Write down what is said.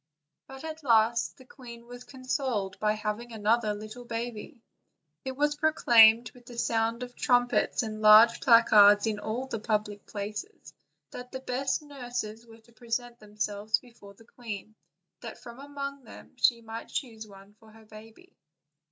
But at last the queen was consoled by having another little baby. It was proclaimed with the sound of trumpets and with large placards in all the public places, that the best nurses were to present themselves before the queen, that from among them she might choose one for her baby.